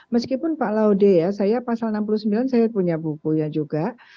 meskipun pak laude ya saya pasal enam puluh sembilan saya punya bukunya juga